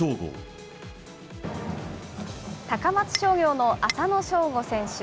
高松商業の浅野翔吾選手。